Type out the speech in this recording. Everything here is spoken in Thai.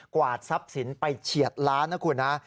วาดทรัพย์สินไปเฉียดล้านนะคุณนะ